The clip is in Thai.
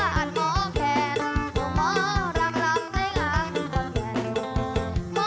สนุนโดยอีซุสเอกสิทธิ์แห่งความสุข